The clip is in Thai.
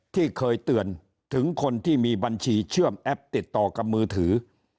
ที่เคยเตือนถึงคนที่มีบัญชีเชื่อมแอปติดต่อกับมือถือ